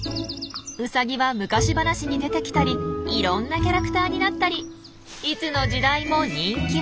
ウサギは昔話に出てきたりいろんなキャラクターになったりいつの時代も人気者。